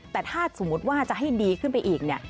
แต่ถ้าสมมุติว่าจะให้ดีขึ้นไปอีกเนี่ย